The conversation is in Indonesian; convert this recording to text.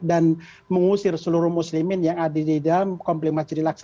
dan mengusir seluruh muslimin yang ada di dalam kompleks masjid jidil aqsa